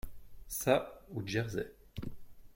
Ça ou Jersey.